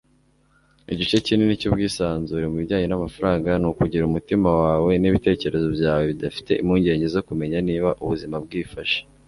igice kinini cy'ubwisanzure mu bijyanye n'amafaranga ni ukugira umutima wawe n'ibitekerezo byawe bidafite impungenge zo kumenya niba ubuzima bwifashe